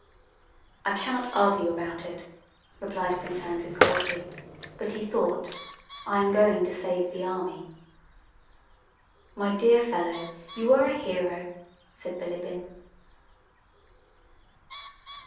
"I cannot argue about it," replied Prince Andrew coldly, but he thought: "I am going to save the army." "My dear fellow, you are a hero!" said Bilíbin.